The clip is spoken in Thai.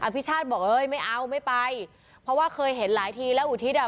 พิชาติบอกเอ้ยไม่เอาไม่ไปเพราะว่าเคยเห็นหลายทีแล้วอุทิศอ่ะ